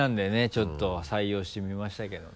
ちょっと採用してみましたけどね。